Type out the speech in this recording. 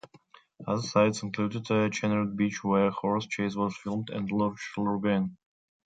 Other sites included Achnahaird beach where a horse chase was filmed and Loch Lurgainn.